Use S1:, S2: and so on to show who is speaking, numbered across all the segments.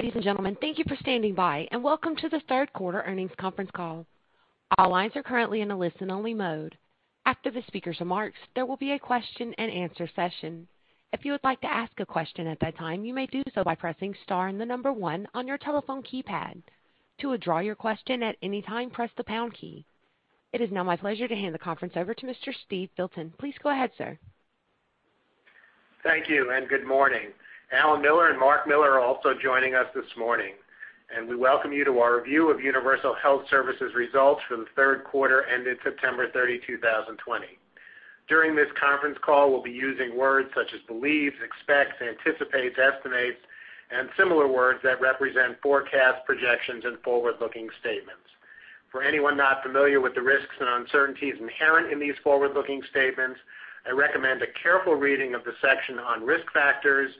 S1: Ladies and gentlemen, thank you for standing by, and welcome to the third quarter earnings conference call. All lines are currently in a listen-only mode. After the speaker's remarks, there will be a question-and-answer session. If you would like to ask a question at that time, you may do so by pressing star and the number one on your telephone keypad. To withdraw your question at any time, press the pound key. It is now my pleasure to hand the conference over to Mr. Steve Filton. Please go ahead, sir.
S2: Thank you. Good morning. Alan Miller and Marc Miller are also joining us this morning. We welcome you to our review of Universal Health Services results for the third quarter ended September 30, 2020. During this conference call, we'll be using words such as believes, expects, anticipates, estimates, and similar words that represent forecasts, projections, and forward-looking statements. For anyone not familiar with the risks and uncertainties inherent in these forward-looking statements, I recommend a careful reading of the section on Risk Factors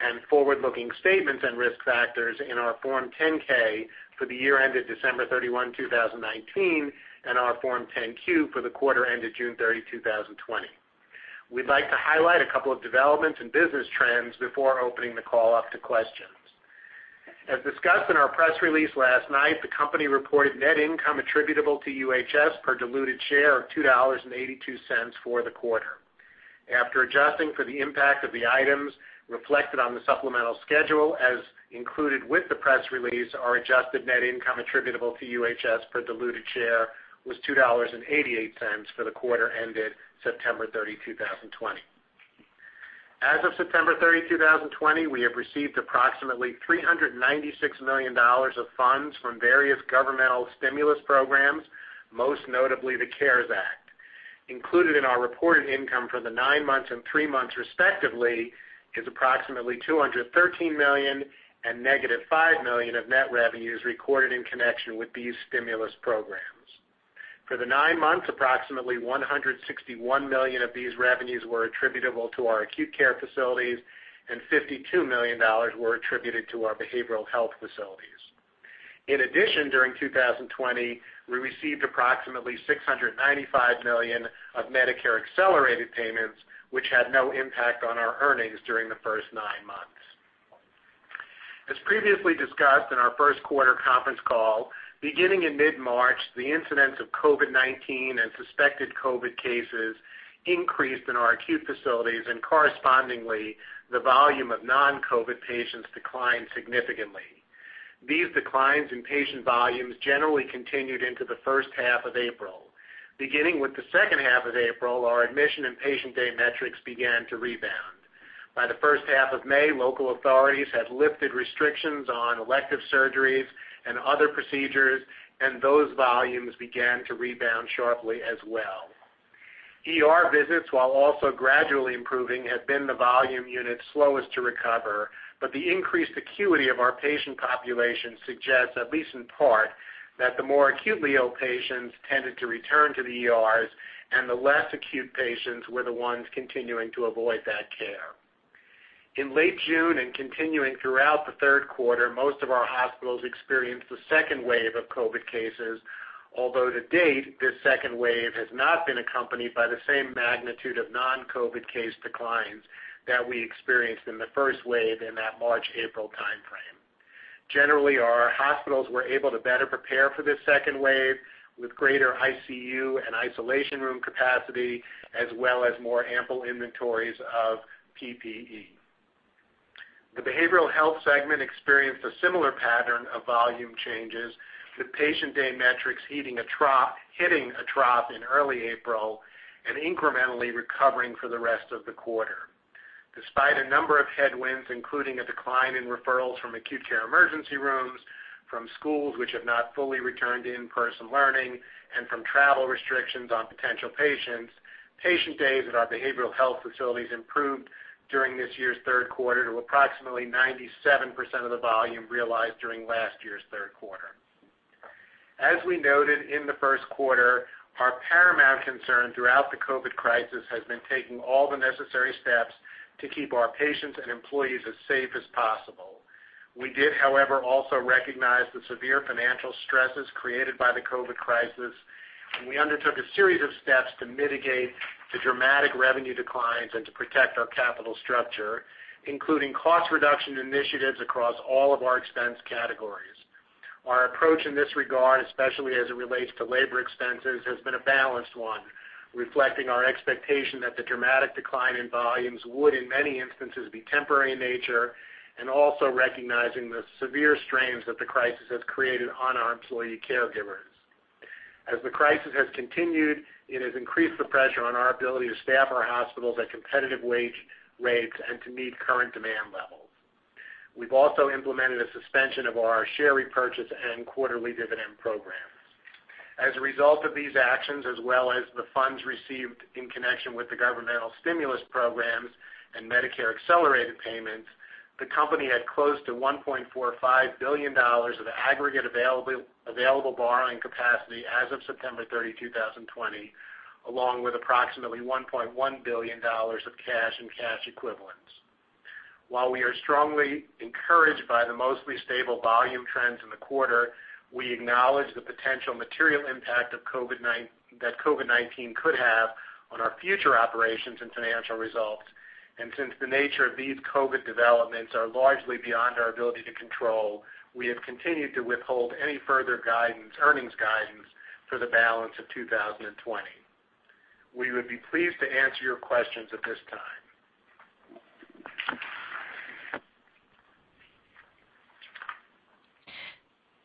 S2: and Forward-Looking Statements & Risk Factors in our Form 10-K for the year ended December 31, 2019, and our Form 10-Q for the quarter ended June 30, 2020. We'd like to highlight a couple of developments and business trends before opening the call up to questions. As discussed in our press release last night, the company reported net income attributable to UHS per diluted share of $2.82 for the quarter. After adjusting for the impact of the items reflected on the supplemental schedule as included with the press release, our adjusted net income attributable to UHS per diluted share was $2.88 for the quarter ended September 30, 2020. As of September 30, 2020, we have received approximately $396 million of funds from various governmental stimulus programs, most notably the CARES Act. Included in our reported income for the nine months and three months respectively is approximately $213 million and negative $5 million of net revenues recorded in connection with these stimulus programs. For the nine months, approximately $161 million of these revenues were attributable to our acute care facilities, and $52 million were attributed to our behavioral health facilities. In addition, during 2020, we received approximately $695 million of Medicare accelerated payments, which had no impact on our earnings during the first nine months. As previously discussed in our first quarter conference call, beginning in mid-March, the incidence of COVID-19 and suspected COVID cases increased in our acute facilities, and correspondingly, the volume of non-COVID patients declined significantly. These declines in patient volumes generally continued into the first half of April. Beginning with the second half of April, our admission and patient day metrics began to rebound. By the first half of May, local authorities had lifted restrictions on elective surgeries and other procedures, and those volumes began to rebound sharply as well. ER visits, while also gradually improving, have been the volume unit slowest to recover. The increased acuity of our patient population suggests, at least in part, that the more acutely ill patients tended to return to the ERs and the less acute patients were the ones continuing to avoid that care. In late June and continuing throughout the third quarter, most of our hospitals experienced a second wave of COVID cases, although to date, this second wave has not been accompanied by the same magnitude of non-COVID case declines that we experienced in the first wave in that March, April timeframe. Generally, our hospitals were able to better prepare for this second wave with greater ICU and isolation room capacity, as well as more ample inventories of PPE. The behavioral health segment experienced a similar pattern of volume changes, with patient day metrics hitting a trough in early April and incrementally recovering for the rest of the quarter. Despite a number of headwinds, including a decline in referrals from acute care emergency rooms, from schools which have not fully returned to in-person learning, and from travel restrictions on potential patients, patient days at our behavioral health facilities improved during this year's third quarter to approximately 97% of the volume realized during last year's third quarter. As we noted in the first quarter, our paramount concern throughout the COVID crisis has been taking all the necessary steps to keep our patients and employees as safe as possible. We did, however, also recognize the severe financial stresses created by the COVID crisis, and we undertook a series of steps to mitigate the dramatic revenue declines and to protect our capital structure, including cost reduction initiatives across all of our expense categories. Our approach in this regard, especially as it relates to labor expenses, has been a balanced one, reflecting our expectation that the dramatic decline in volumes would, in many instances, be temporary in nature, and also recognizing the severe strains that the crisis has created on our employee caregivers. As the crisis has continued, it has increased the pressure on our ability to staff our hospitals at competitive wage rates and to meet current demand levels. We've also implemented a suspension of our share repurchase and quarterly dividend programs. As a result of these actions, as well as the funds received in connection with the governmental stimulus programs and Medicare accelerated payments, the company had close to $1.45 billion of aggregate available borrowing capacity as of September 30, 2020, along with approximately $1.1 billion of cash and cash equivalents. While we are strongly encouraged by the mostly stable volume trends in the quarter, we acknowledge the potential material impact that COVID-19 could have on our future operations and financial results. Since the nature of these COVID developments are largely beyond our ability to control, we have continued to withhold any further earnings guidance for the balance of 2020. We would be pleased to answer your questions at this time.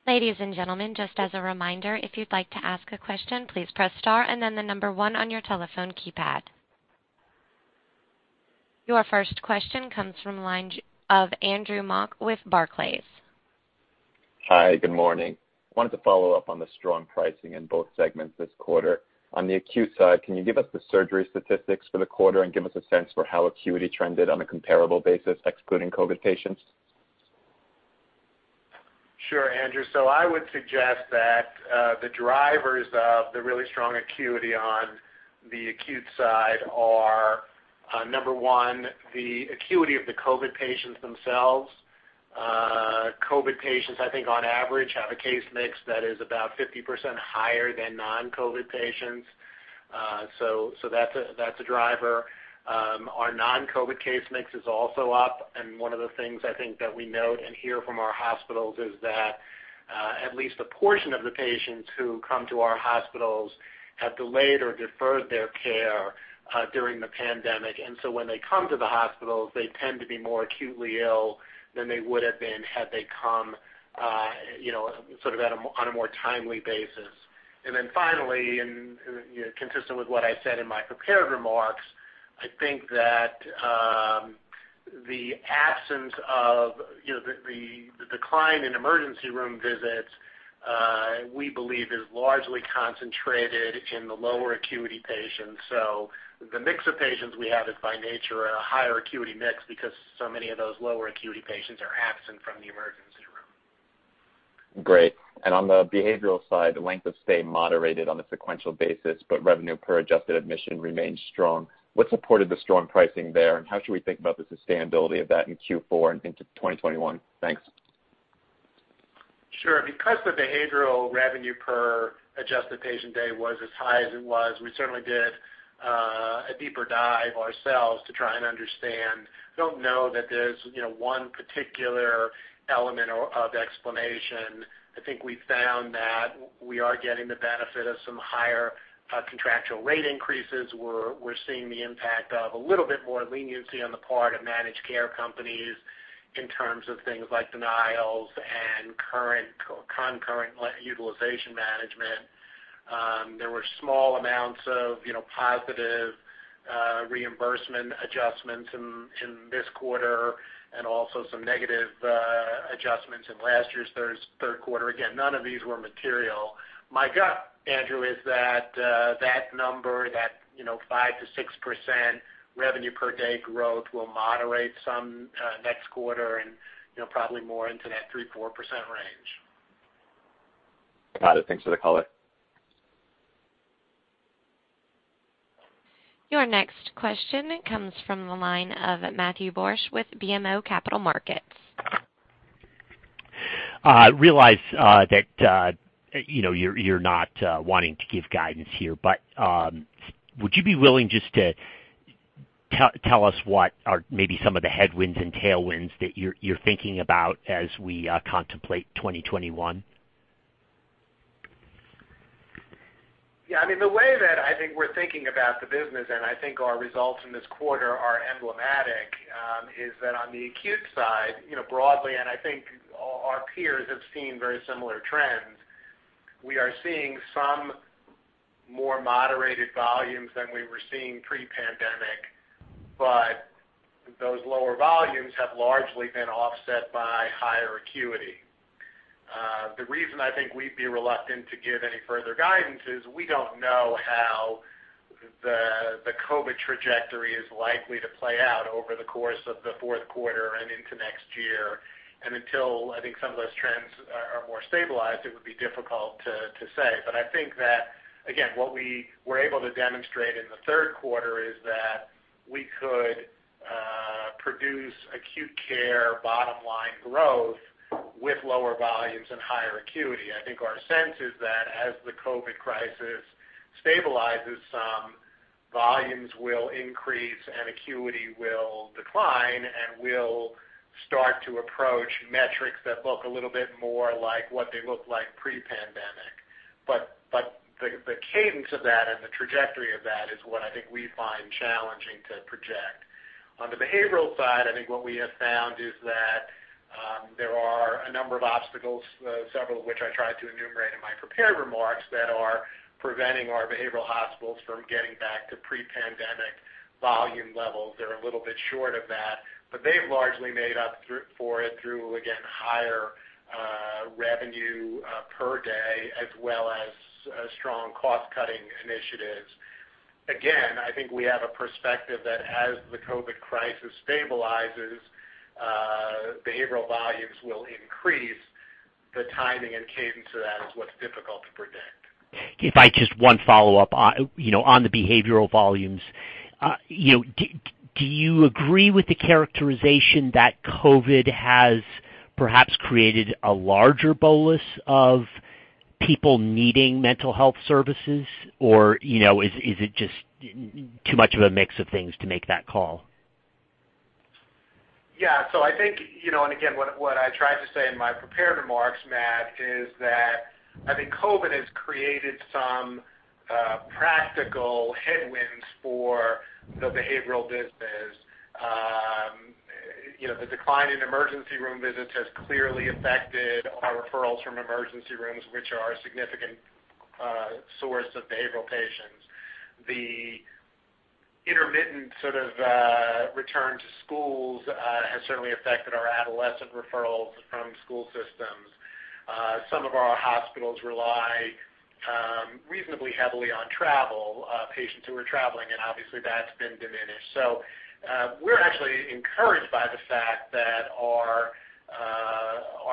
S1: Ladies and gentlemen, just a reminder. If you'd like to ask question, please press star, then the number one on your telephone keypad. Your first question comes from the line of Andrew Mok with Barclays.
S3: Hi, good morning. I wanted to follow up on the strong pricing in both segments this quarter. On the acute side, can you give us the surgery statistics for the quarter and give us a sense for how acuity trended on a comparable basis, excluding COVID patients?
S2: Sure, Andrew. I would suggest that the drivers of the really strong acuity on the acute side are, number one, the acuity of the COVID patients themselves. COVID patients, I think on average, have a case mix that is about 50% higher than non-COVID patients. That's a driver. Our non-COVID case mix is also up, one of the things I think that we note and hear from our hospitals is that at least a portion of the patients who come to our hospitals have delayed or deferred their care during the pandemic. When they come to the hospitals, they tend to be more acutely ill than they would have been had they come on a more timely basis. Finally, consistent with what I said in my prepared remarks, I think that the essence of the decline in emergency room visits, we believe is largely concentrated in the lower acuity patients. The mix of patients we have is by nature a higher acuity mix because so many of those lower acuity patients are absent from the emergency room.
S3: Great. On the behavioral side, length of stay moderated on a sequential basis, but revenue per adjusted admission remained strong. What supported the strong pricing there, and how should we think about the sustainability of that in Q4 and into 2021? Thanks.
S2: Sure. Because the behavioral revenue per adjusted patient day was as high as it was, we certainly did a deeper dive ourselves to try and understand. Don't know that there's one particular element of explanation. I think we found that we are getting the benefit of some higher contractual rate increases. We're seeing the impact of a little bit more leniency on the part of managed care companies in terms of things like denials and concurrent utilization management. There were small amounts of positive reimbursement adjustments in this quarter, and also some negative adjustments in last year's third quarter. Again, none of these were material. My gut, Andrew, is that number, that 5%-6% revenue per day growth will moderate some next quarter and probably more into that 3%, 4% range.
S3: Got it. Thanks for the color.
S1: Your next question comes from the line of Matthew Borsch with BMO Capital Markets.
S4: I realize that you're not wanting to give guidance here, but would you be willing just to tell us what are maybe some of the headwinds and tailwinds that you're thinking about as we contemplate 2021?
S2: The way that I think we're thinking about the business, and I think our results in this quarter are emblematic, is that on the acute side, broadly, and I think our peers have seen very similar trends. We are seeing some more moderated volumes than we were seeing pre-pandemic, but those lower volumes have largely been offset by higher acuity. The reason I think we'd be reluctant to give any further guidance is we don't know how the COVID trajectory is likely to play out over the course of the fourth quarter and into next year. Until I think some of those trends are more stabilized, it would be difficult to say. I think that, again, what we were able to demonstrate in the third quarter is that we could produce acute care bottom-line growth with lower volumes and higher acuity. I think our sense is that as the COVID-19 crisis stabilizes some, volumes will increase and acuity will decline, and we'll start to approach metrics that look a little bit more like what they looked like pre-pandemic. The cadence of that and the trajectory of that is what I think we find challenging to project. On the behavioral side, I think what we have found is that there are a number of obstacles, several of which I tried to enumerate in my prepared remarks, that are preventing our behavioral hospitals from getting back to pre-pandemic volume levels. They're a little bit short of that, but they've largely made up for it through, again, higher revenue per day, as well as strong cost-cutting initiatives. Again, I think we have a perspective that as the COVID-19 crisis stabilizes, behavioral volumes will increase. The timing and cadence of that is what's difficult to predict.
S4: If I just one follow-up on the behavioral volumes. Do you agree with the characterization that COVID has perhaps created a larger bolus of people needing mental health services, or is it just too much of a mix of things to make that call?
S2: Yeah. I think, and again, what I tried to say in my prepared remarks, Matt, is that I think COVID-19 has created some practical headwinds for the behavioral business. The decline in emergency room visits has clearly affected our referrals from emergency rooms, which are a significant source of behavioral patients. The intermittent return to schools has certainly affected our adolescent referrals from school systems. Some of our hospitals rely reasonably heavily on travel, patients who are traveling, and obviously, that's been diminished. We're actually encouraged by the fact that our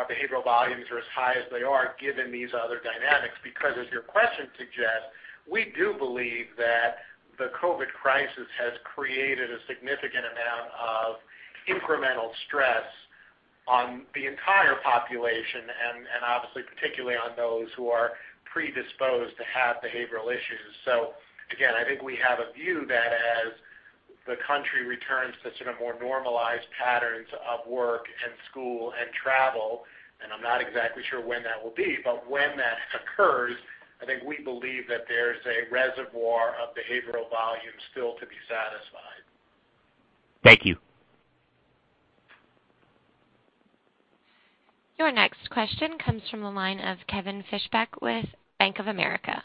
S2: behavioral volumes are as high as they are given these other dynamics, because as your question suggests, we do believe that the COVID-19 crisis has created a significant amount of incremental stress on the entire population, and obviously, particularly on those who are predisposed to have behavioral issues. Again, I think we have a view that as the country returns to more normalized patterns of work and school and travel, and I'm not exactly sure when that will be, but when that occurs, I think we believe that there's a reservoir of behavioral volume still to be satisfied.
S4: Thank you.
S1: Your next question comes from the line of Kevin Fischbeck with Bank of America.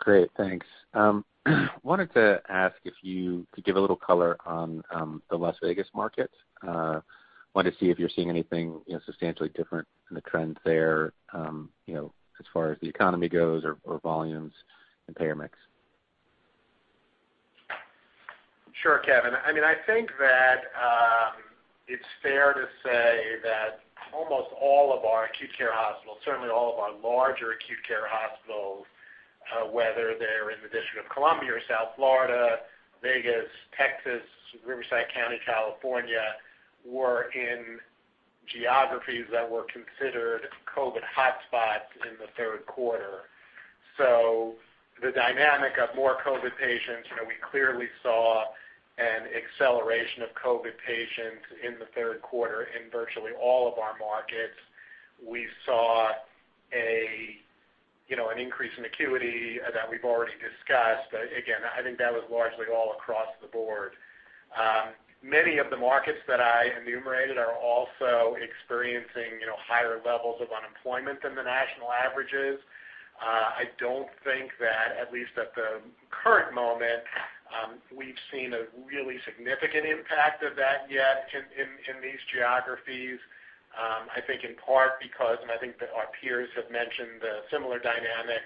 S5: Great, thanks. Wanted to ask if you could give a little color on the Las Vegas market. Wanted to see if you're seeing anything substantially different in the trends there, as far as the economy goes or volumes and payer mix.
S2: Sure, Kevin. I think that it's fair to say that almost all of our acute care hospitals, certainly all of our larger acute care hospitals, whether they're in the District of Columbia or South Florida, Vegas, Texas, Riverside County, California, were in geographies that were considered COVID hotspots in the third quarter. The dynamic of more COVID patients, we clearly saw an acceleration of COVID patients in the third quarter in virtually all of our markets. We saw an increase in acuity that we've already discussed. Again, I think that was largely all across the board. Many of the markets that I enumerated are also experiencing higher levels of unemployment than the national averages. I don't think that, at least at the current moment, we've seen a really significant impact of that yet in these geographies. I think in part because, and I think that our peers have mentioned the similar dynamic,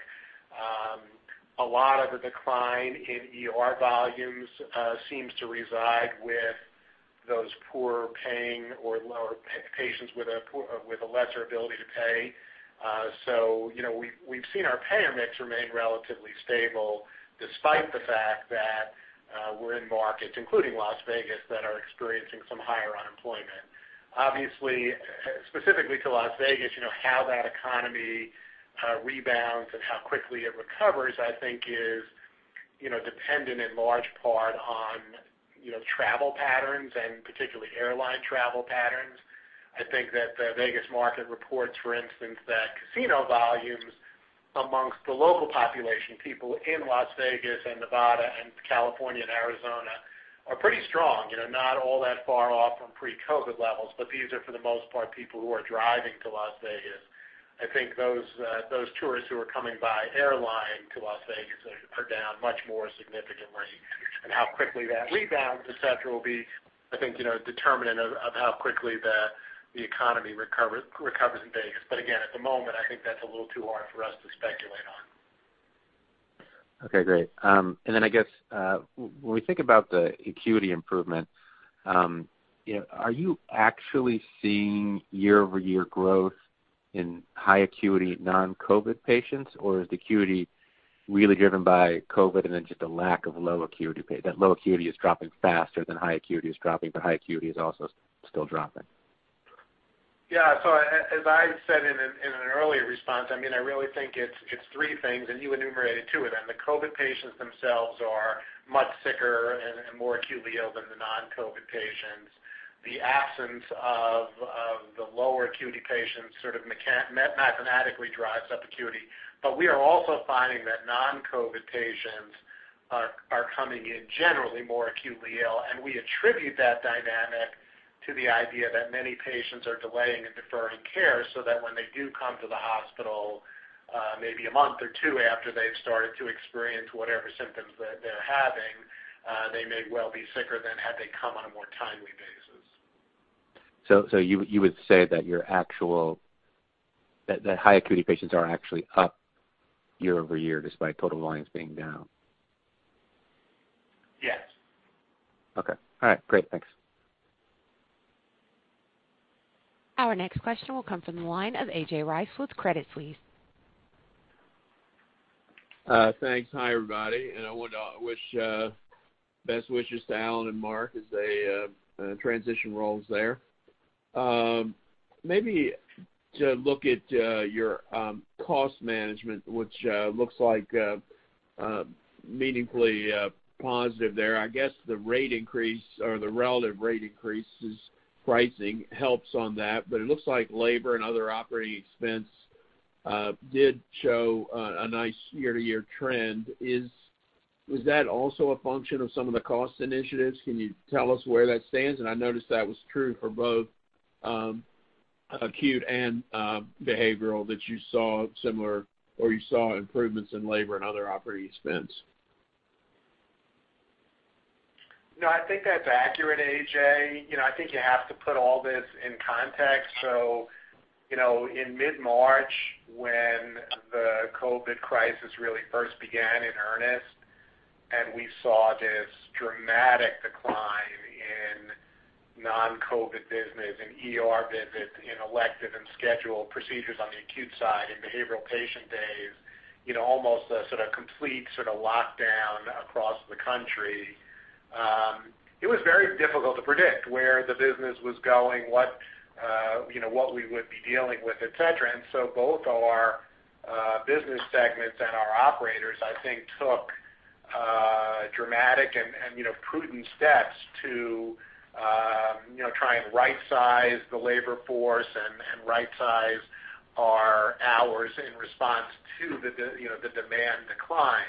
S2: a lot of the decline in ER volumes seems to reside with those poor-paying or patients with a lesser ability to pay. We've seen our payer mix remain relatively stable despite the fact that we're in markets, including Las Vegas, that are experiencing some higher unemployment. Obviously, specifically to Las Vegas, how that economy rebounds and how quickly it recovers, I think is dependent in large part on travel patterns and particularly airline travel patterns. I think that the Vegas market reports, for instance, that casino volumes amongst the local population, people in Las Vegas and Nevada and California and Arizona, are pretty strong. Not all that far off from pre-COVID levels, these are, for the most part, people who are driving to Las Vegas. I think those tourists who are coming by airline to Las Vegas are down much more significantly, and how quickly that rebounds, et cetera, will be, I think, determinant of how quickly the economy recovers in Vegas. Again, at the moment, I think that's a little too hard for us to speculate on.
S5: Okay, great. I guess, when we think about the acuity improvement, are you actually seeing year-over-year growth in high acuity non-COVID patients, or is the acuity really driven by COVID and then just a lack of low acuity patients? That low acuity is dropping faster than high acuity is dropping, but high acuity is also still dropping.
S2: Yeah. As I said in an earlier response, I really think it's three things, and you enumerated two of them. The COVID patients themselves are much sicker and more acutely ill than the non-COVID patients. The absence of the lower acuity patients sort of mathematically drives up acuity. We are also finding that non-COVID patients are coming in generally more acutely ill, and we attribute that dynamic to the idea that many patients are delaying and deferring care so that when they do come to the hospital, maybe a month or two after they've started to experience whatever symptoms that they're having, they may well be sicker than had they come on a more timely basis.
S5: You would say that high acuity patients are actually up year-over-year, despite total volumes being down?
S2: Yes.
S5: Okay. All right, great. Thanks.
S1: Our next question will come from the line of A.J. Rice with Credit Suisse.
S6: Thanks. Hi, everybody. I want to wish best wishes to Alan and Marc as they transition roles there. Maybe to look at your cost management, which looks meaningfully positive there. I guess the rate increase or the relative rate increases pricing helps on that, but it looks like labor and other operating expense did show a nice year-to-year trend. Is that also a function of some of the cost initiatives? Can you tell us where that stands? I noticed that was true for both acute and behavioral, that you saw similar, or you saw improvements in labor and other operating expense.
S2: No, I think that's accurate, A.J. I think you have to put all this in context. In mid-March, when the COVID crisis really first began in earnest, and we saw this dramatic decline in non-COVID business, in ER visits, in elective and scheduled procedures on the acute side, in behavioral patient days, almost a complete lockdown across the country. It was very difficult to predict where the business was going, what we would be dealing with, et cetera. Both our business segments and our operators, I think, took dramatic and prudent steps to try and right-size the labor force and right-size our hours in response to the demand declines.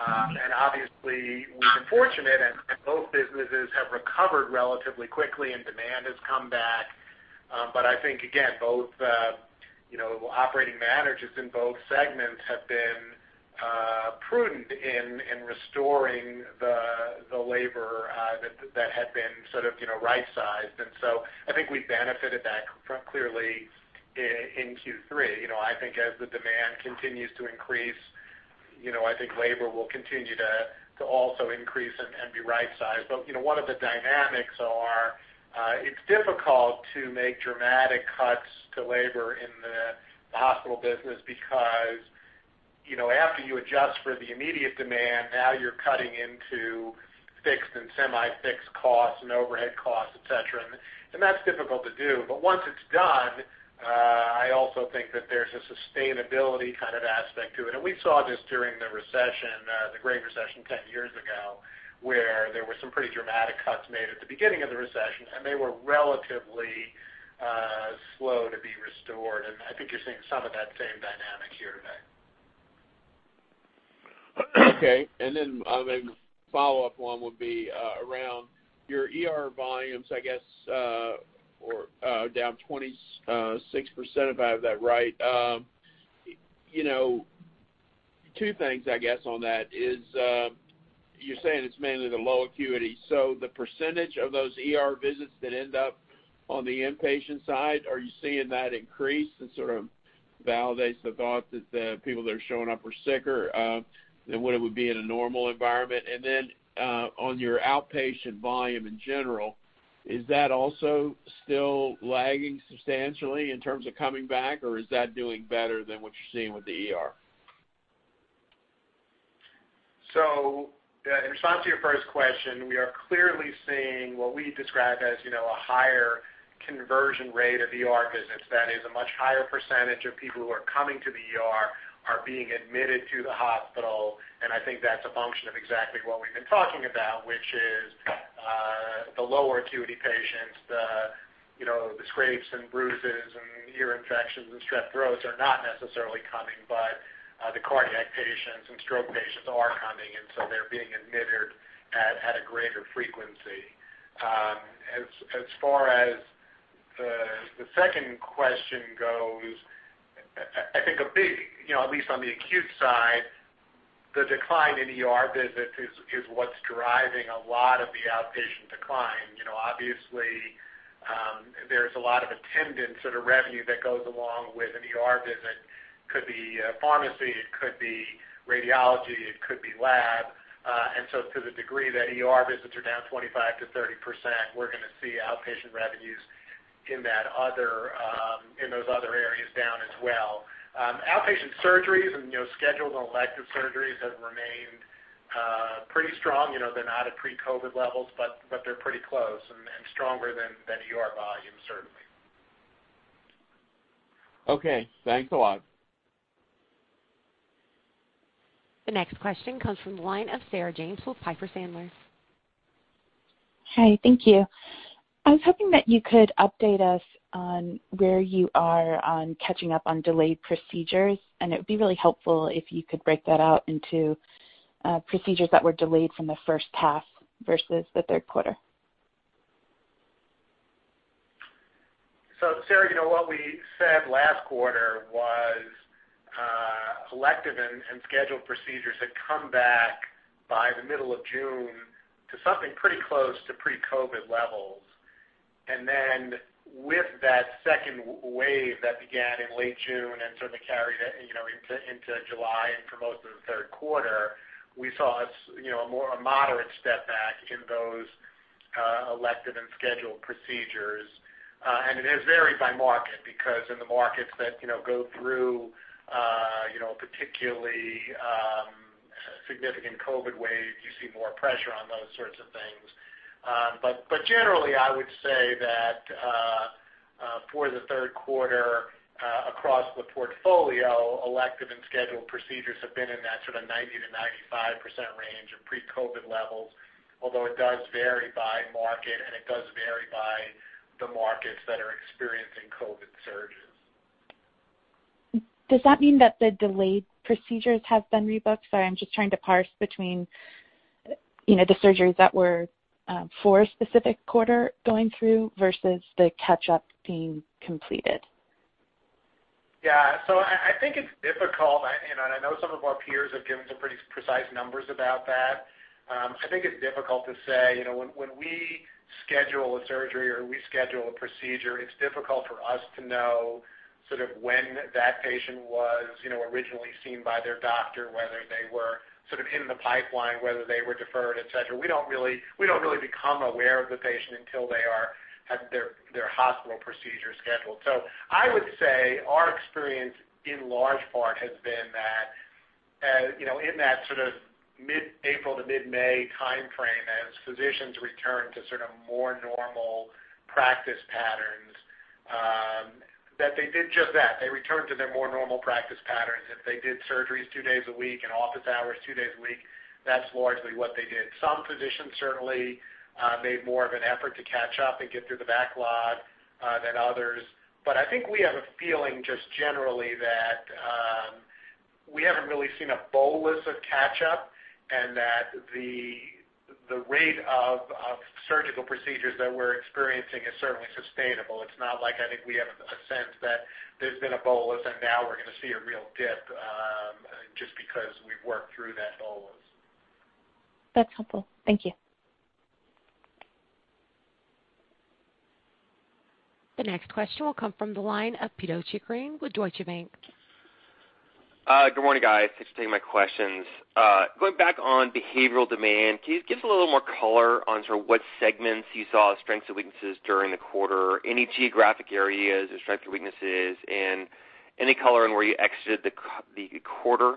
S2: Obviously, we've been fortunate, and both businesses have recovered relatively quickly, and demand has come back. I think, again, operating managers in both segments have been prudent in restoring the labor that had been right-sized. I think we benefited that clearly in Q3. I think as the demand continues to increase, I think labor will continue to also increase and be right-sized. One of the dynamics are, it's difficult to make dramatic cuts to labor in the hospital business because after you adjust for the immediate demand, now you're cutting into fixed and semi-fixed costs and overhead costs, et cetera, and that's difficult to do. Once it's done, I also think that there's a sustainability aspect to it. We saw this during the recession, the Great Recession 10 years ago, where there were some pretty dramatic cuts made at the beginning of the recession, and they were relatively slow to be restored, and I think you're seeing some of that same dynamic here today.
S6: Okay. A follow-up one would be around your ER volumes, I guess, down 26%, if I have that right. Two things, I guess, on that is, you're saying it's mainly the low acuity, so the percentage of those ER visits that end up on the inpatient side, are you seeing that increase and sort of validates the thought that the people that are showing up are sicker than what it would be in a normal environment? On your outpatient volume in general, is that also still lagging substantially in terms of coming back, or is that doing better than what you're seeing with the ER?
S2: In response to your first question, we are clearly seeing what we describe as a higher conversion rate of ER visits. That is, a much higher percent of people who are coming to the ER are being admitted to the hospital, and I think that's a function of exactly what we've been talking about, which is the lower acuity patients, the scrapes and bruises and ear infections and strep throats are not necessarily coming, but the cardiac patients and stroke patients are coming, and so they're being admitted at a greater frequency. As far as the second question goes, I think a big, at least on the acute side, the decline in ER visits is what's driving a lot of the outpatient decline. Obviously, there's a lot of attendant sort of revenue that goes along with an ER visit. It could be pharmacy, it could be radiology, it could be lab. To the degree that ER visits are down 25%-30%, we're going to see outpatient revenues in those other areas down as well. Outpatient surgeries and scheduled and elective surgeries have remained pretty strong. They're not at pre-COVID levels, but they're pretty close and stronger than ER volume, certainly.
S6: Okay, thanks a lot.
S1: The next question comes from the line of Sarah James with Piper Sandler.
S7: Hi, thank you. I was hoping that you could update us on where you are on catching up on delayed procedures, and it would be really helpful if you could break that out into procedures that were delayed from the first half versus the third quarter.
S2: Sarah, what we said last quarter was elective and scheduled procedures had come back by the middle of June to something pretty close to pre-COVID levels. With that second wave that began in late June and sort of carried into July and for most of the third quarter, we saw a more moderate step-back in those elective and scheduled procedures. It has varied by market because in the markets that go through particularly significant COVID wave, you see more pressure on those sorts of things. Generally, I would say that for the third quarter, across the portfolio, elective and scheduled procedures have been in that sort of 90%-95% range of pre-COVID levels, although it does vary by market, and it does vary by the markets that are experiencing COVID surges.
S7: Does that mean that the delayed procedures have been rebooked? Sorry, I'm just trying to parse between the surgeries that were for a specific quarter going through versus the catch-up being completed.
S2: Yeah. I think it's difficult, and I know some of our peers have given some pretty precise numbers about that. I think it's difficult to say. When we schedule a surgery or we schedule a procedure, it's difficult for us to know sort of when that patient was originally seen by their doctor, whether they were sort of in the pipeline, whether they were deferred, et cetera. We don't really become aware of the patient until they have their hospital procedure scheduled. I would say our experience in large part has been that in that sort of mid-April to mid-May timeframe, as physicians return to sort of more normal practice patterns, that they did just that. They returned to their more normal practice patterns. If they did surgeries two days a week and office hours two days a week, that's largely what they did. Some physicians certainly made more of an effort to catch up and get through the backlog than others. I think we have a feeling just generally that we haven't really seen a bolus of catch-up, and that the rate of surgical procedures that we're experiencing is certainly sustainable. It's not like I think we have a sense that there's been a bolus and now we're going to see a real dip, just because we've worked through that bolus.
S7: That's helpful. Thank you.
S1: The next question will come from the line of Pito Chickering with Deutsche Bank.
S8: Good morning, guys. Thanks for taking my questions. Going back on behavioral demand, can you give us a little more color on sort of what segments you saw strengths and weaknesses during the quarter, any geographic areas of strength or weaknesses, and any color on where you exited the quarter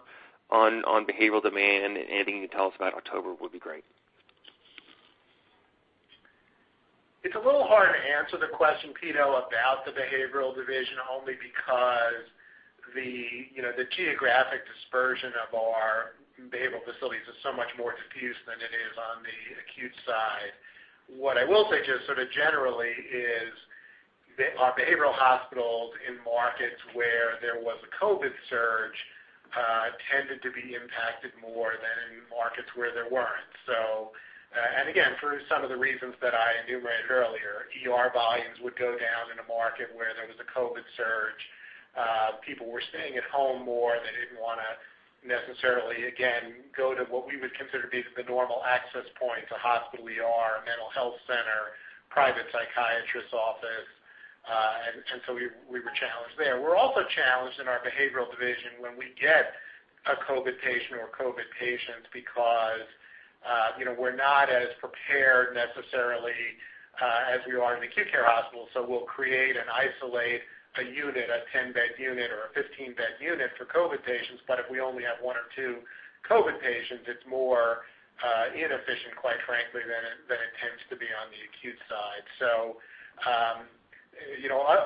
S8: on behavioral demand, and anything you can tell us about October would be great.
S2: It's a little hard to answer the question, Pito, about the behavioral division only because the geographic dispersion of our behavioral facilities is so much more diffused than it is on the acute side. What I will say just sort of generally is our behavioral hospitals in markets where there was a COVID surge tended to be impacted more than in markets where there weren't. Again, for some of the reasons that I enumerated earlier, ER volumes would go down in a market where there was a COVID surge. People were staying at home more. They didn't want to necessarily, again, go to what we would consider to be the normal access point, a hospital ER, a mental health center, private psychiatrist's office. So we were challenged there. We're also challenged in our behavioral division when we get a COVID patient or COVID patients because we're not as prepared necessarily as we are in acute care hospitals. We'll create and isolate a unit, a 10 bed unit or a 15 bed unit for COVID patients, but if we only have one or two COVID patients, it's more inefficient, quite frankly, than it tends to be on the acute side.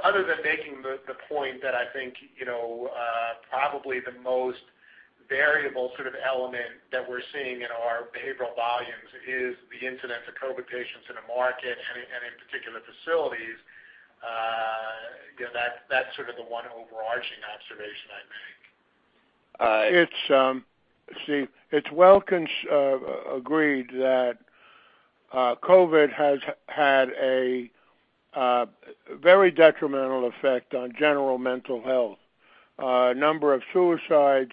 S2: Other than making the point that I think probably the most variable sort of element that we're seeing in our behavioral volumes is the incidence of COVID patients in a market and in particular facilities, that's sort of the one overarching observation I'd make.
S9: Steve, it's well agreed that COVID has had a very detrimental effect on general mental health. Number of suicides,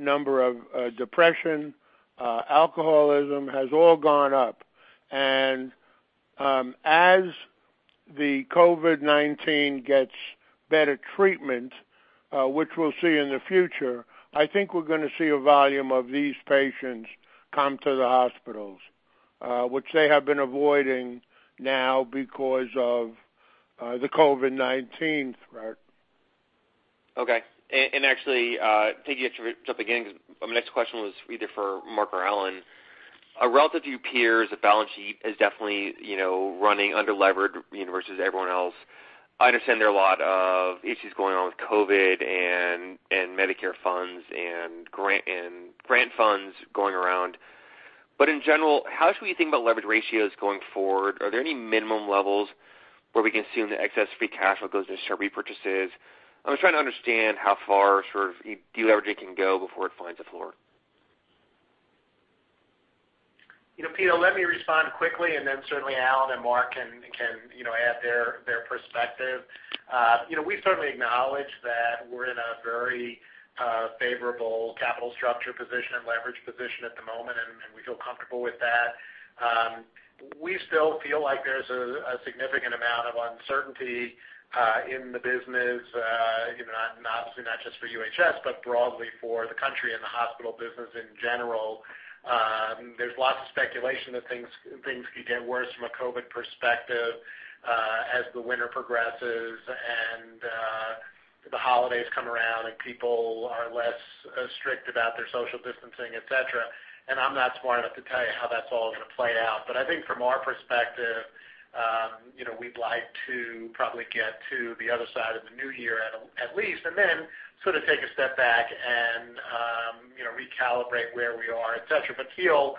S9: number of depression, alcoholism has all gone up. As the COVID-19 gets better treatment, which we'll see in the future, I think we're going to see a volume of these patients come to the hospitals, which they have been avoiding now because of the COVID-19 threat.
S8: Okay. Actually, piggyback to jump beginning, because my next question was either for Marc or Alan. Relative to your peers, the balance sheet is definitely running under-levered versus everyone else. I understand there are a lot of issues going on with COVID and Medicare funds and grant funds going around. In general, how should we think about leverage ratios going forward? Are there any minimum levels where we can assume the excess free cash flow goes into share repurchases? I'm just trying to understand how far sort of de-leveraging can go before it finds a floor.
S2: Pito, let me respond quickly, and then certainly Alan and Marc can add their perspective. We certainly acknowledge that we're in a very favorable capital structure position and leverage position at the moment, and we feel comfortable with that. We still feel like there's a significant amount of uncertainty in the business, obviously not just for UHS, but broadly for the country and the hospital business in general. There's lots of speculation that things could get worse from a COVID perspective as the winter progresses and the holidays come around and people are less strict about their social distancing, et cetera. I'm not smart enough to tell you how that's all going to play out. I think from our perspective, we'd like to probably get to the other side of the new year at least, and then take a step back and recalibrate where we are, et cetera. Feel,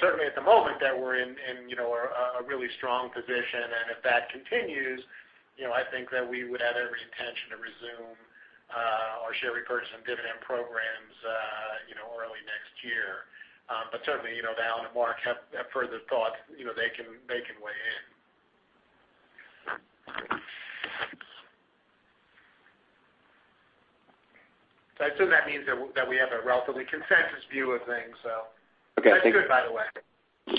S2: certainly at the moment, that we're in a really strong position. If that continues, I think that we would have every intention to resume our share repurchase and dividend programs early next year. Certainly, Alan and Marc have further thought. They can weigh in. I assume that means that we have a relatively consensus view of things.
S8: Okay.
S2: That's good, by the way.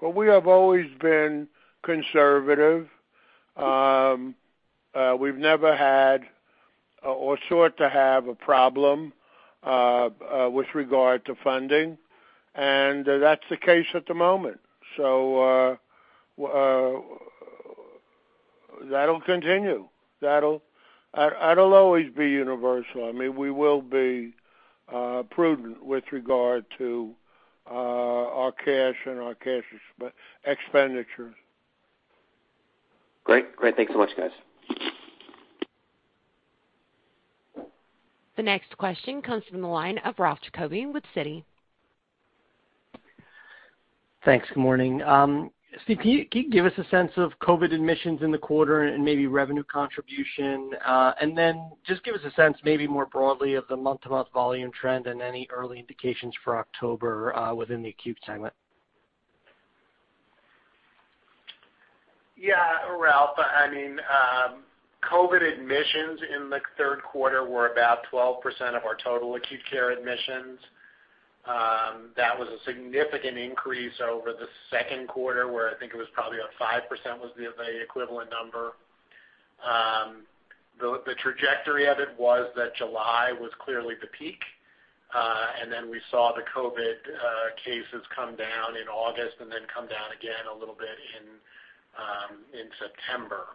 S9: Well, we have always been conservative. We've never had or sought to have a problem with regard to funding, and that's the case at the moment. That'll continue. That'll always be universal. We will be prudent with regard to our cash and our cash expenditures.
S8: Great. Thanks so much, guys.
S1: The next question comes from the line of Ralph Giacobbe with Citi.
S10: Thanks. Good morning. Steve, can you give us a sense of COVID admissions in the quarter and maybe revenue contribution? Then just give us a sense, maybe more broadly, of the month-to-month volume trend and any early indications for October within the acute segment.
S2: Yeah, Ralph. COVID admissions in the third quarter were about 12% of our total acute care admissions. That was a significant increase over the second quarter, where I think it was probably about 5% was the equivalent number. The trajectory of it was that July was clearly the peak. Then we saw the COVID cases come down in August and then come down again a little bit in September.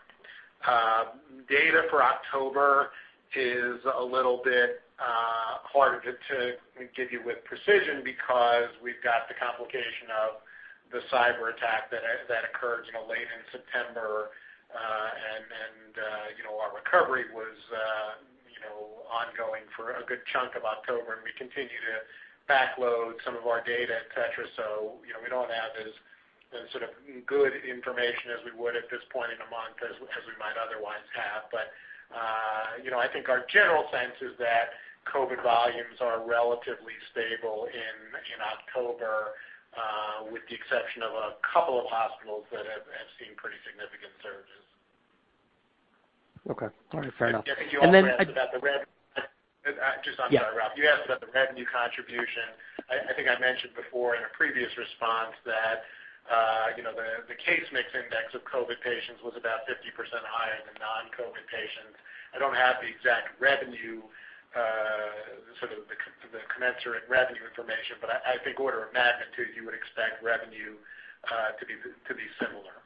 S2: Data for October is a little bit harder to give you with precision because we've got the complication of the cyber attack that occurred late in September. Then our recovery was ongoing for a good chunk of October, and we continue to backload some of our data, et cetera. We don't have as good information as we would at this point in a month as we might otherwise have. I think our general sense is that COVID volumes are relatively stable in October, with the exception of a couple of hospitals that have seen pretty significant surges.
S10: Okay. All right. Fair enough.
S2: I think you also asked about the— I'm sorry, Ralph. You asked about the revenue contribution. I think I mentioned before in a previous response that the case mix index of COVID patients was about 50% higher than non-COVID patients. I don't have the commensurate revenue information, but I think order of magnitude, you would expect revenue to be similar.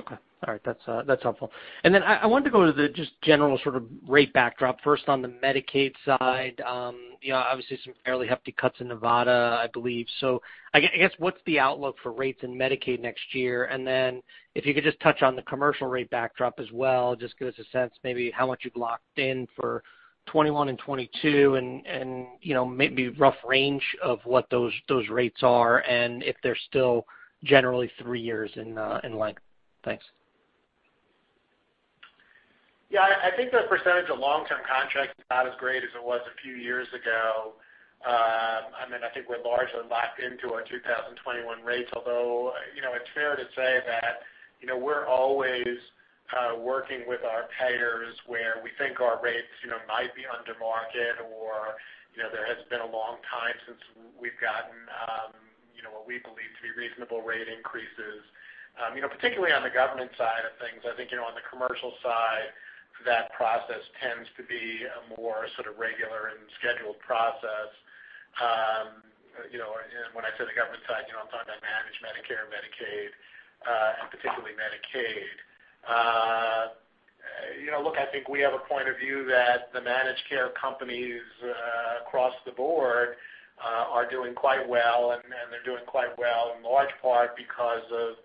S10: Okay. All right. That's helpful. I wanted to go to the just general rate backdrop, first on the Medicaid side. Obviously, some fairly hefty cuts in Nevada, I believe. I guess what's the outlook for rates in Medicaid next year? If you could just touch on the commercial rate backdrop as well, just give us a sense maybe how much you've locked in for 2021 and 2022 and maybe rough range of what those rates are and if they're still generally three years in length. Thanks.
S2: Yeah, I think the percentage of long-term contracts is not as great as it was a few years ago. I think we're largely locked into our 2021 rates, although it's fair to say that we're always working with our payers where we think our rates might be under market or there has been a long time since we've gotten what we believe to be reasonable rate increases, particularly on the government side of things. I think on the commercial side, that process tends to be a more regular and scheduled process. When I say the government side, I'm talking about managed Medicare, Medicaid, and particularly Medicaid. Look, I think we have a point of view that the managed care companies across the board are doing quite well, and they're doing quite well in large part because of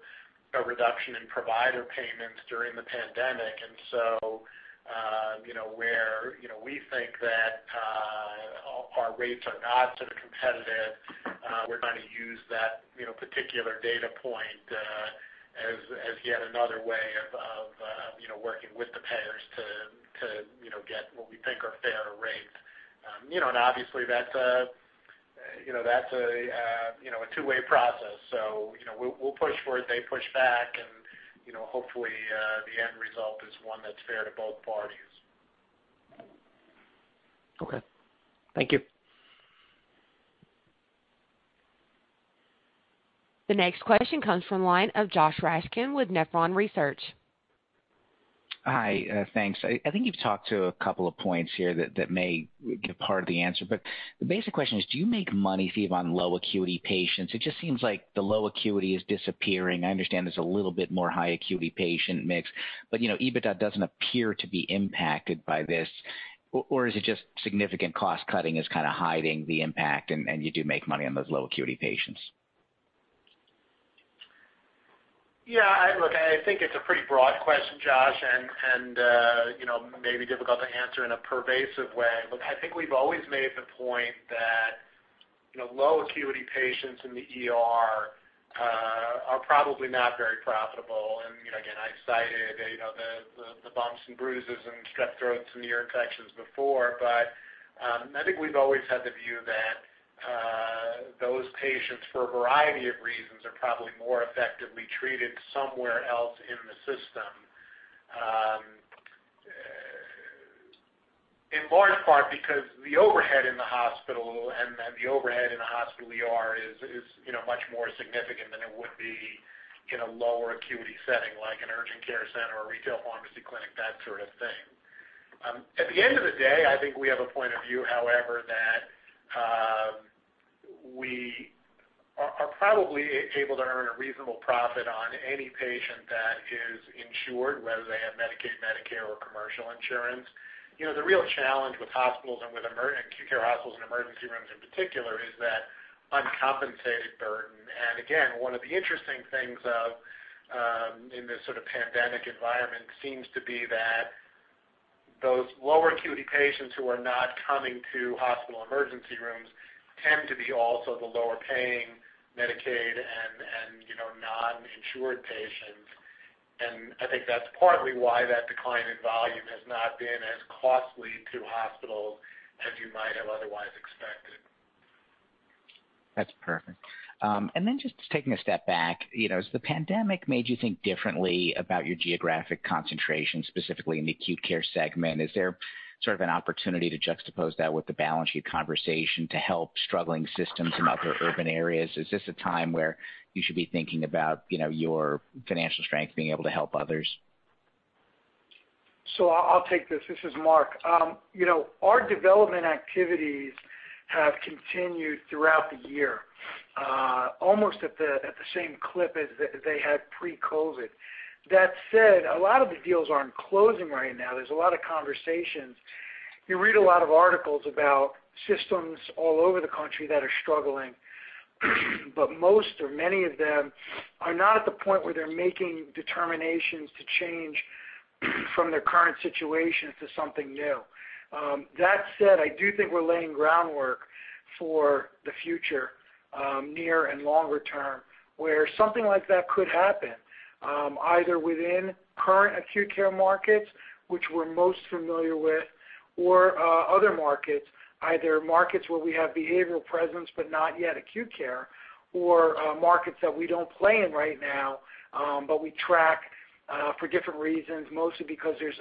S2: a reduction in provider payments during the pandemic. Where we think that our rates are not competitive, we're going to use that particular data point as yet another way of working with the payers to get what we think are fairer rates. Obviously that's a two-way process. We'll push for it, they push back and, hopefully, the end result is one that's fair to both parties.
S10: Okay. Thank you.
S1: The next question comes from the line of Josh Raskin with Nephron Research.
S11: Hi, thanks. I think you've talked to a couple of points here that may give part of the answer, but the basic question is, do you make money, Steve, on low acuity patients? It just seems like the low acuity is disappearing. I understand there's a little bit more high acuity patient mix, but EBITDA doesn't appear to be impacted by this. Is it just significant cost cutting is hiding the impact, and you do make money on those low acuity patients?
S2: Yeah, look, I think it's a pretty broad question, Josh, and maybe difficult to answer in a pervasive way. Look, I think we've always made the point that low acuity patients in the ER are probably not very profitable. Again, I cited the bumps and bruises and strep throats and ear infections before. I think we've always had the view that those patients, for a variety of reasons, are probably more effectively treated somewhere else in the system. In large part because the overhead in the hospital and the overhead in the hospital ER is much more significant than it would be in a lower acuity setting, like an urgent care center or retail pharmacy clinic, that sort of thing. At the end of the day, I think we have a point of view, however, that we are probably able to earn a reasonable profit on any patient that is insured, whether they have Medicaid, Medicare, or commercial insurance. The real challenge with hospitals and with acute care hospitals and emergency rooms in particular is that uncompensated burden. Again, one of the interesting things in this sort of pandemic environment seems to be that those lower acuity patients who are not coming to hospital emergency rooms tend to be also the lower paying Medicaid and non-insured patients. I think that's partly why that decline in volume has not been as costly to hospitals as you might have otherwise expected.
S11: That's perfect. Just taking a step back, has the pandemic made you think differently about your geographic concentration, specifically in the acute care segment? Is there sort of an opportunity to juxtapose that with the balance sheet conversation to help struggling systems in other urban areas? Is this a time where you should be thinking about your financial strength being able to help others?
S12: I'll take this. This is Marc. Our development activities have continued throughout the year, almost at the same clip as they had pre-COVID. A lot of the deals aren't closing right now. There's a lot of conversations. You read a lot of articles about systems all over the country that are struggling, but most or many of them are not at the point where they're making determinations to change from their current situation to something new. I do think we're laying groundwork for the future, near and longer term, where something like that could happen, either within current acute care markets, which we're most familiar with, or other markets, either markets where we have behavioral presence but not yet acute care, or markets that we don't play in right now, but we track for different reasons, mostly because there's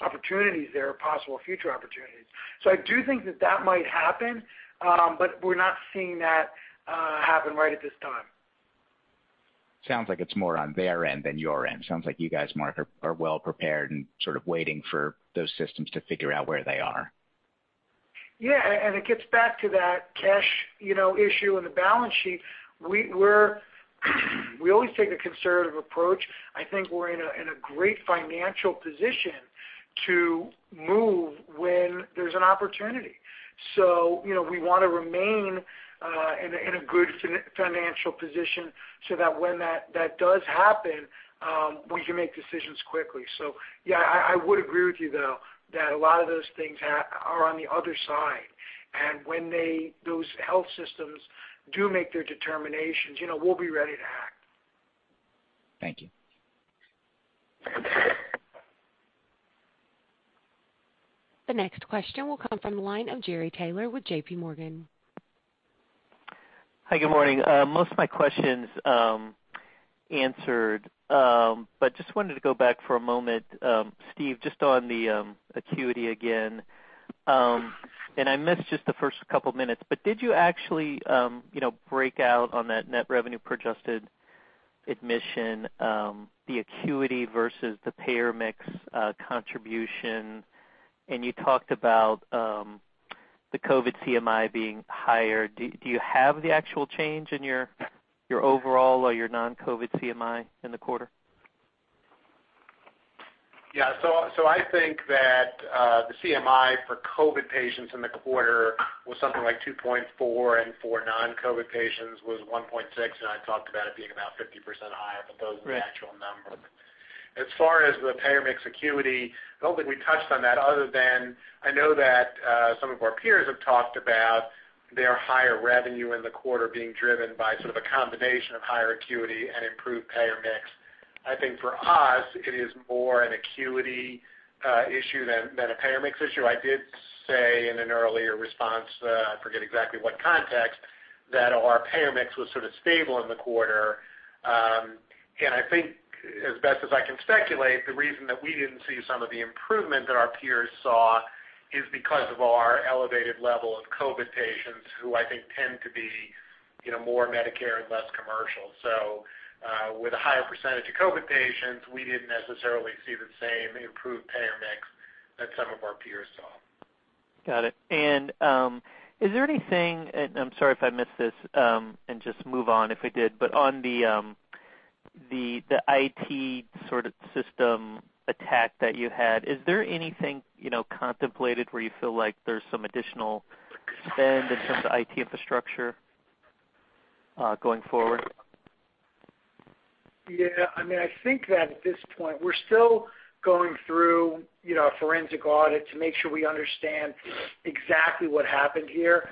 S12: opportunities there, possible future opportunities. I do think that that might happen, but we're not seeing that happen right at this time.
S11: Sounds like it's more on their end than your end. Sounds like you guys, Marc, are well prepared and sort of waiting for those systems to figure out where they are.
S12: It gets back to that cash issue and the balance sheet. We always take a conservative approach. I think we're in a great financial position to move when there's an opportunity. We want to remain in a good financial position so that when that does happen, we can make decisions quickly. I would agree with you, though, that a lot of those things are on the other side. When those health systems do make their determinations, we'll be ready to act.
S11: Thank you.
S1: The next question will come from the line of Gary Taylor with JPMorgan.
S13: Hi, good morning. Most of my questions answered, but just wanted to go back for a moment. Steve, just on the acuity again, I missed just the first couple minutes, but did you actually break out on that net revenue per adjusted admission, the acuity versus the payer mix contribution? You talked about the COVID CMI being higher. Do you have the actual change in your overall or your non-COVID CMI in the quarter?
S2: I think that the CMI for COVID patients in the quarter was something like 2.4, and for non-COVID patients was 1.6, and I talked about it being about 50% higher, but those are the actual numbers. As far as the payer mix acuity, I don't think we touched on that other than I know that some of our peers have talked about their higher revenue in the quarter being driven by sort of a combination of higher acuity and improved payer mix. I think for us, it is more an acuity issue than a payer mix issue. I did say in an earlier response, I forget exactly what context, that our payer mix was sort of stable in the quarter. I think as best as I can speculate, the reason that we didn't see some of the improvement that our peers saw is because of our elevated level of COVID patients, who I think tend to be. More Medicare and less commercial with a higher percentage of COVID patients, we didn't necessarily see the same improved payer mix that some of our peers saw.
S13: Got it. Is there anything, and I'm sorry if I missed this, and just move on if I did, but on the IT sort of system attack that you had, is there anything contemplated where you feel like there's some additional spend in terms of IT infrastructure going forward?
S12: Yeah. I think that at this point, we're still going through a forensic audit to make sure we understand exactly what happened here.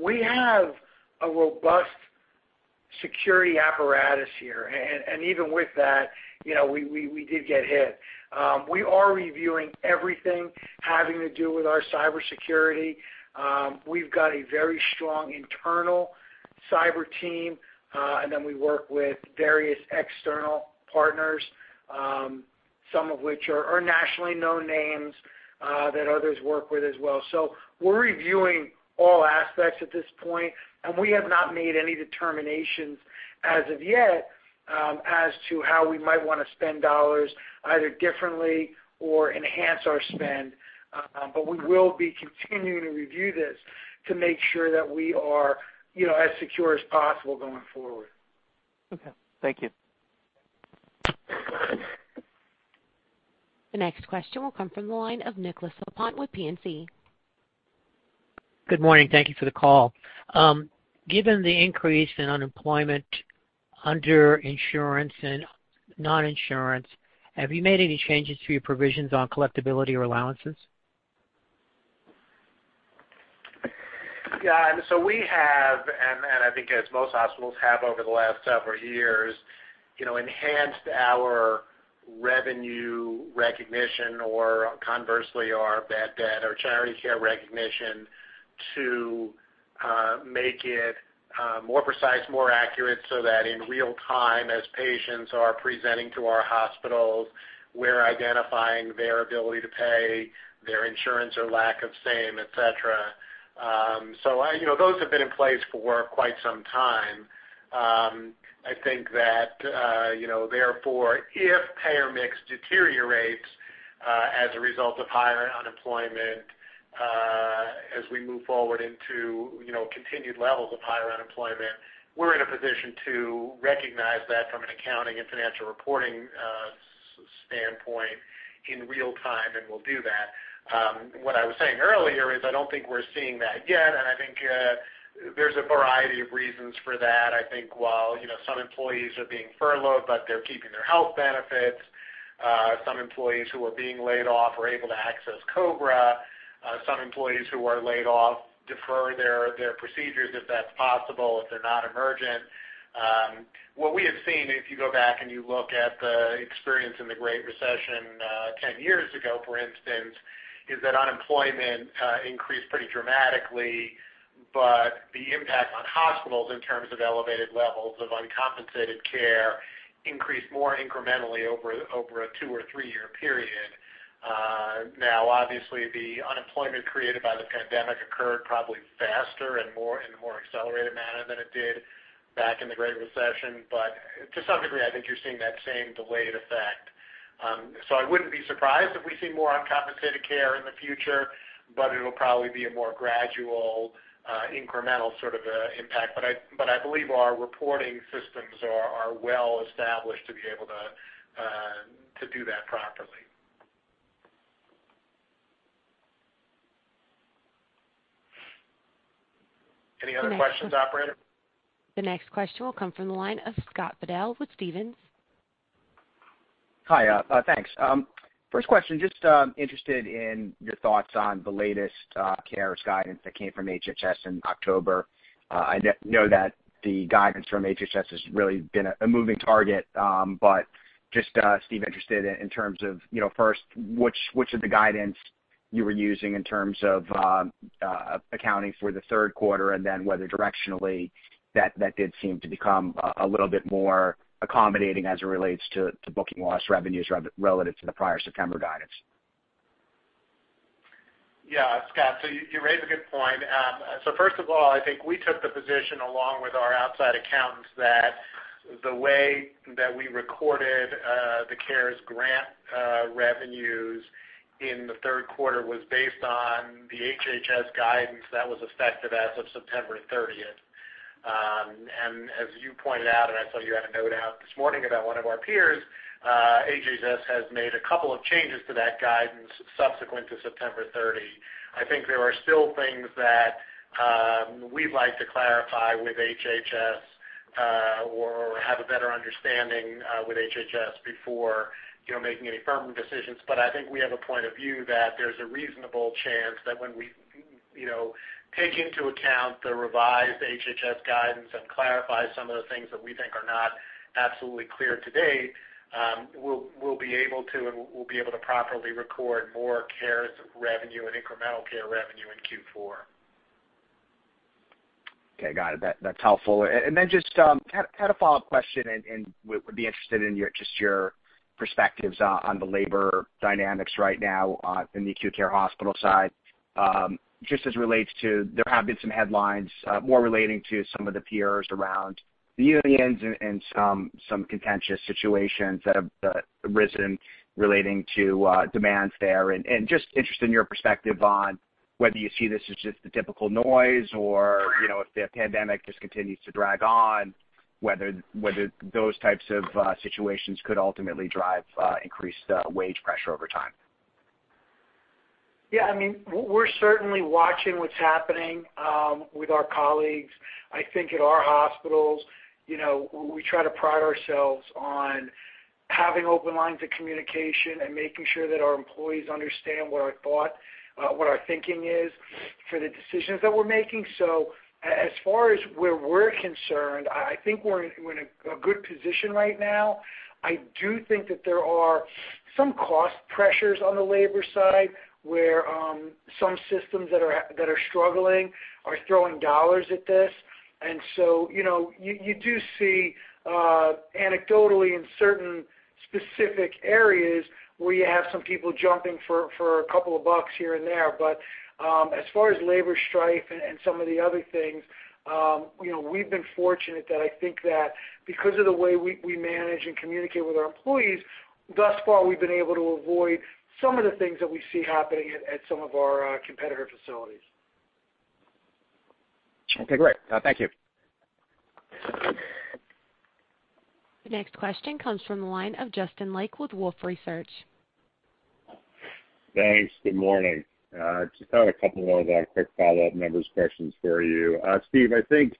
S12: We have a robust security apparatus here, and even with that, we did get hit. We are reviewing everything having to do with our cybersecurity. We've got a very strong internal cyber team, and then we work with various external partners, some of which are nationally known names, that others work with as well. We're reviewing all aspects at this point, and we have not made any determinations as of yet as to how we might want to spend dollars either differently or enhance our spend. We will be continuing to review this to make sure that we are as secure as possible going forward.
S13: Okay. Thank you.
S1: The next question will come from the line of Nicholas Lapointe with PNC.
S14: Good morning. Thank you for the call. Given the increase in unemployment underinsurance and non-insurance, have you made any changes to your provisions on collectibility or allowances?
S2: Yeah. We have, and I think as most hospitals have over the last several years, enhanced our revenue recognition or conversely, our bad debt or charity care recognition to make it more precise, more accurate, so that in real time, as patients are presenting to our hospitals, we're identifying their ability to pay, their insurance or lack of same, et cetera. Those have been in place for quite some time. I think that, therefore, if payer mix deteriorates, as a result of higher unemployment, as we move forward into continued levels of higher unemployment, we're in a position to recognize that from an accounting and financial reporting standpoint in real time, and we'll do that. What I was saying earlier is I don't think we're seeing that yet, and I think there's a variety of reasons for that. I think while some employees are being furloughed, but they're keeping their health benefits, some employees who are being laid off are able to access COBRA. Some employees who are laid off defer their procedures, if that's possible, if they're not emergent. What we have seen, if you go back and you look at the experience in the Great Recession 10 years ago, for instance, is that unemployment increased pretty dramatically, but the impact on hospitals in terms of elevated levels of uncompensated care increased more incrementally over a two or three year period. Obviously, the unemployment created by the pandemic occurred probably faster and in a more accelerated manner than it did back in the Great Recession. To some degree, I think you're seeing that same delayed effect. I wouldn't be surprised if we see more uncompensated care in the future, but it'll probably be a more gradual, incremental sort of impact. I believe our reporting systems are well established to be able to do that properly. Any other questions, operator?
S1: The next question will come from the line of Scott Fidel with Stephens.
S15: Hi. Thanks. First question, just interested in your thoughts on the latest CARES guidance that came from HHS in October. Just, Steve, interested in terms of first, which of the guidance you were using in terms of accounting for the third quarter, and then whether directionally that did seem to become a little bit more accommodating as it relates to booking lost revenues relative to the prior September guidance.
S2: Yeah. Scott, you raise a good point. First of all, I think we took the position along with our outside accountants that the way that we recorded the CARES grant revenues in the third quarter was based on the HHS guidance that was effective as of September 30. As you pointed out, and I saw you had a note out this morning about one of our peers, HHS has made a couple of changes to that guidance subsequent to September 30. I think there are still things that we'd like to clarify with HHS, or have a better understanding with HHS before making any firm decisions. I think we have a point of view that there's a reasonable chance that when we take into account the revised HHS guidance and clarify some of the things that we think are not absolutely clear to date, we'll be able to properly record more CARES revenue and incremental care revenue in Q4.
S15: Okay, got it. That's helpful. Then just had a follow-up question, and would be interested in just your perspectives on the labor dynamics right now in the acute care hospital side. Just as it relates to, there have been some headlines, more relating to some of the peers around the unions and some contentious situations that have arisen relating to demands there. Just interested in your perspective on whether you see this as just the typical noise or, if the pandemic just continues to drag on, whether those types of situations could ultimately drive increased wage pressure over time.
S12: Yeah, we're certainly watching what's happening with our colleagues. I think at our hospitals, we try to pride ourselves on having open lines of communication and making sure that our employees understand what our thinking is for the decisions that we're making. As far as where we're concerned, I think we're in a good position right now. I do think that there are some cost pressures on the labor side, where some systems that are struggling are throwing dollars at this. You do see, anecdotally, in certain specific areas, where you have some people jumping for a couple of bucks here and there. As far as labor strife and some of the other things, we've been fortunate that I think that because of the way we manage and communicate with our employees, thus far, we've been able to avoid some of the things that we see happening at some of our competitor facilities.
S15: Okay, great. Thank you.
S1: The next question comes from the line of Justin Lake with Wolfe Research.
S16: Thanks. Good morning. Just had a couple more quick follow-up members questions for you. Steve, I think,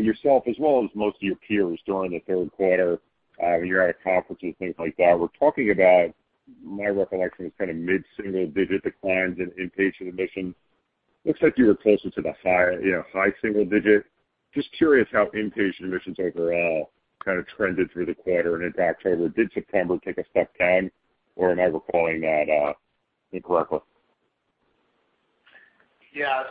S16: yourself as well as most of your peers during the third quarter, when you're at a conference and things like that, were talking about, my recollection, kind of mid-single digit declines in inpatient admissions. Looks like you were closer to the high single digit. Just curious how inpatient admissions overall kind of trended through the quarter and into October? Did September take a step down or am I recalling that incorrectly?
S2: Yeah.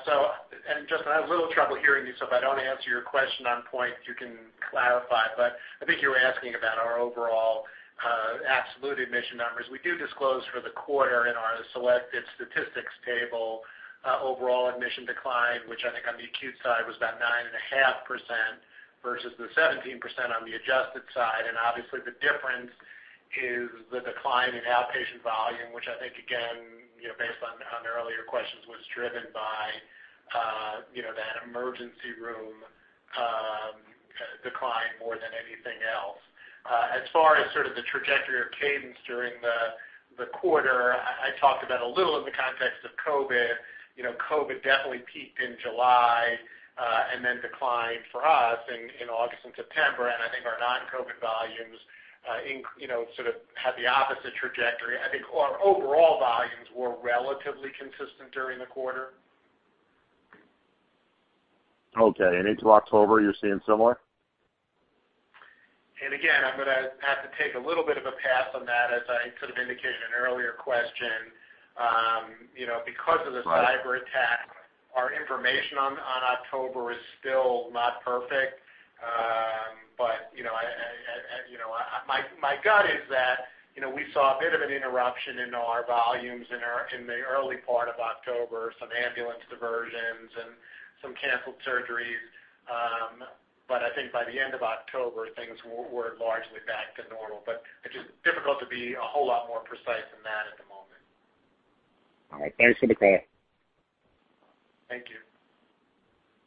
S2: Justin, I have a little trouble hearing you, so if I don't answer your question on point, you can clarify. I think you were asking about our overall absolute admission numbers. We do disclose for the quarter in our selected statistics table overall admission decline, which I think on the acute side was about 9.5% versus the 17% on the adjusted side. Obviously the difference is the decline in outpatient volume, which I think, again, based on the earlier questions, was driven by that emergency room decline more than anything else. As far as sort of the trajectory or cadence during the quarter, I talked about a little in the context of COVID. COVID definitely peaked in July, and then declined for us in August and September. I think our non-COVID volumes sort of had the opposite trajectory. I think our overall volumes were relatively consistent during the quarter.
S16: Okay, into October, you're seeing similar?
S2: Again, I'm going to have to take a little bit of a pass on that. As I could have indicated in an earlier question, because of the cyberattack, our information on October is still not perfect. My gut is that we saw a bit of an interruption in our volumes in the early part of October, some ambulance diversions and some canceled surgeries. I think by the end of October, things were largely back to normal. It's just difficult to be a whole lot more precise than that at the moment.
S16: All right. Thanks for the call.
S2: Thank you.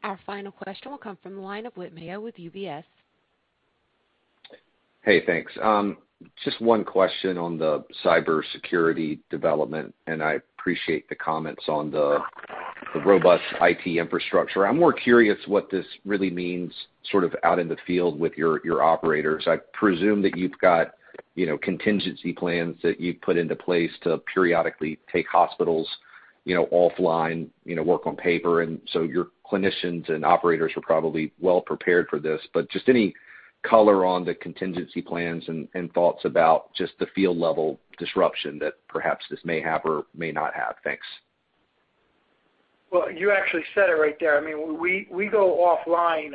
S1: Our final question will come from the line of Whit Mayo with UBS.
S17: Hey, thanks. Just one question on the cybersecurity development. I appreciate the comments on the robust IT infrastructure. I'm more curious what this really means sort of out in the field with your operators. I presume that you've got contingency plans that you've put into place to periodically take hospitals offline, work on paper. Your clinicians and operators are probably well prepared for this. Just any color on the contingency plans and thoughts about just the field level disruption that perhaps this may have or may not have. Thanks.
S12: You actually said it right there. We go offline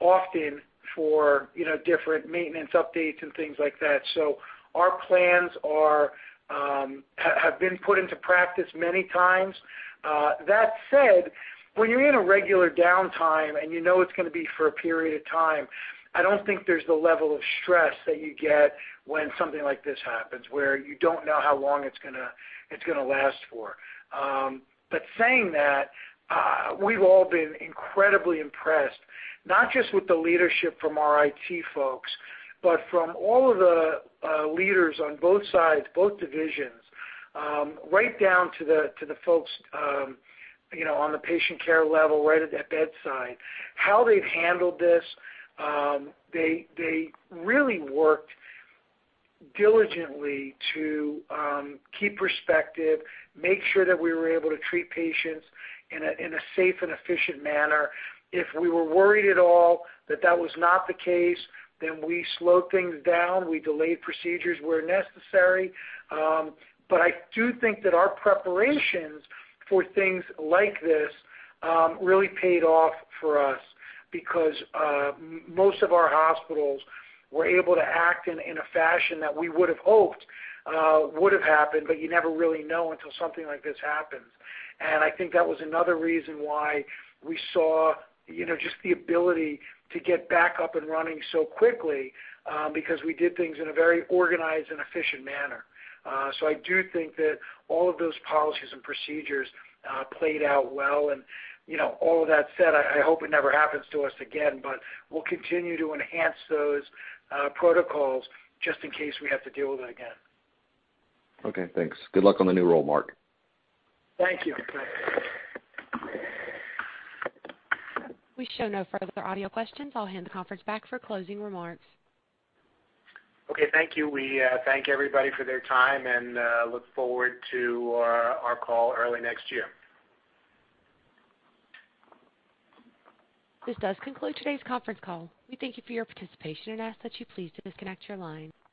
S12: often for different maintenance updates and things like that. Our plans have been put into practice many times. That said, when you're in a regular downtime and you know it's going to be for a period of time, I don't think there's the level of stress that you get when something like this happens, where you don't know how long it's going to last for. Saying that, we've all been incredibly impressed, not just with the leadership from our IT folks, but from all of the leaders on both sides, both divisions, right down to the folks on the patient care level, right at that bedside. How they've handled this, they really worked diligently to keep perspective, make sure that we were able to treat patients in a safe and efficient manner. If we were worried at all that that was not the case, then we slowed things down. We delayed procedures where necessary. I do think that our preparations for things like this really paid off for us because most of our hospitals were able to act in a fashion that we would've hoped would've happened, but you never really know until something like this happens. I think that was another reason why we saw just the ability to get back up and running so quickly, because we did things in a very organized and efficient manner. I do think that all of those policies and procedures played out well. All of that said, I hope it never happens to us again, but we'll continue to enhance those protocols just in case we have to deal with it again.
S17: Okay, thanks. Good luck on the new role, Marc.
S12: Thank you.
S1: We show no further audio questions. I'll hand the conference back for closing remarks.
S2: Okay, thank you. We thank everybody for their time and look forward to our call early next year.
S1: This does conclude today's conference call. We thank you for your participation and ask that you please disconnect your line.